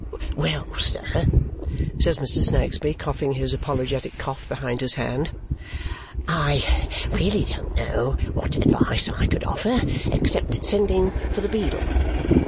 "Well, sir," says Mr. Snagsby, coughing his apologetic cough behind his hand, "I really don't know what advice I could offer, except sending for the beadle."